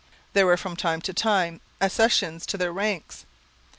There were from time to time accessions to their ranks.